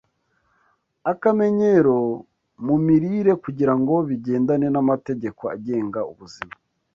akamenyero mu mirire kugira ngo bigendane n’amategeko agenga ubuzima.